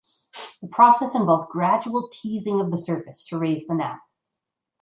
The process involved gradual teasing of the surface to raise the nap.